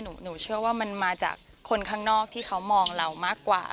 หนูเชื่อว่ามันมาจากคนข้างนอกที่เขามองเรามากกว่า